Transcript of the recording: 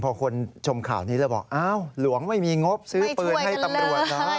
พอคนชมข่าวนี้แล้วบอกเอ้าหลวงไม่มีงบซื้อเปลืองให้ตำรวจนะไม่ช่วยกันเลย